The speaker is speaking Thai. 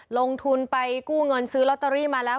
ลงทุนไปกู้เงินซื้อลอตเตอรี่มาแล้ว